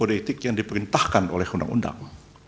pada saat ini kode etik yang diperintahkan oleh undang undang